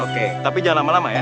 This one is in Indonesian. oke tapi jangan lama lama ya